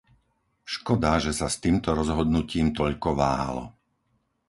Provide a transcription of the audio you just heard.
Škoda, že sa s týmto rozhodnutím toľko váhalo.